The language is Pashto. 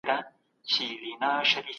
د ټولنيزو ځواکونو يووالی هيواد پياوړی کوي.